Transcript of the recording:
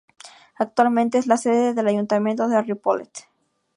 Actualmente es la sede del Ayuntamiento de Ripollet.